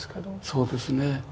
そうですね。